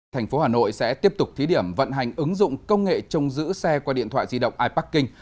thành phố hà nội sẽ tiếp tục thí điểm vận hành ứng dụng công nghệ trông giữ xe qua điện thoại di động iparking